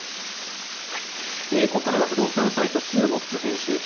ここからは不動産サイトＳＵＵＭＯの副編集長